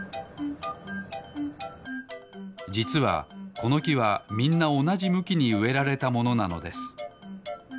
じつはこのきはみんなおなじむきにうえられたものなのです。